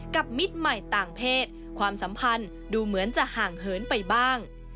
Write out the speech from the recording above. มิตรใหม่ต่างเพศความสัมพันธ์ดูเหมือนจะห่างเหินไปบ้าง